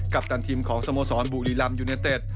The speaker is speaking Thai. กัปตันทีมของสโมสรบุรีรัมยูเนสเตต